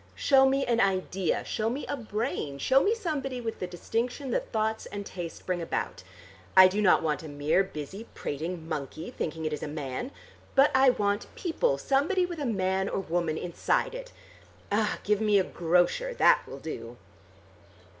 Show me an idea: show me a brain, show me somebody with the distinction that thoughts and taste bring about. I do not want a mere busy prating monkey thinking it is a man. But I want people: somebody with a man or woman inside it. Ah! give me a grocer. That will do!"